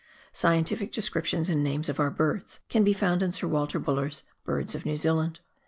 Scientific descriptions and names of our birds can be found in Sir Walter Buller's " Birds of New Zealand."